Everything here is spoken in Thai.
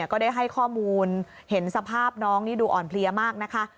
ก็ได้ให้ข้อมูลเห็นสภาพน้องนี่ดูอ่อนเพลียมากนะคะ